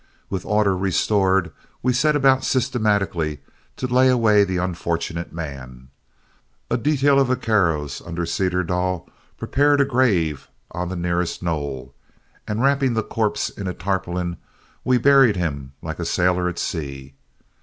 With order restored, we set about systematically to lay away the unfortunate man. A detail of vaqueros under Cederdall prepared a grave on the nearest knoll, and wrapping the corpse in a tarpaulin, we buried him like a sailor at sea.